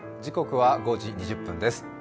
時刻は５時２０分です。